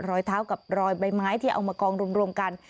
รอยเท้ากับรอยใบไม้ที่เอามากองรวมกัน